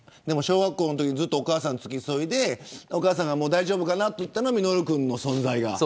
小学校のとき、ずっとお母さん付き添いでお母さんがもう大丈夫かなっていったのはミノル君の存在が。